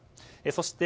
そして、